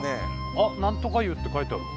あなんとか湯って書いてあるわ。